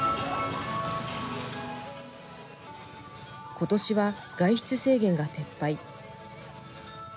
ことしは外出制限が撤廃。